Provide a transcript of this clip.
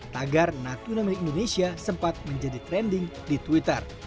tagar natuna milik indonesia sempat menjadi trending di twitter